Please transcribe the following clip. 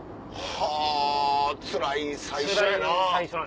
はぁつらい最初やな。